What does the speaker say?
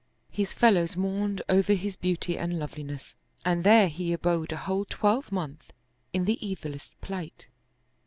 His fellows mourned over his beauty and loveliness and there he abode a whole twelve month in the evilest plight.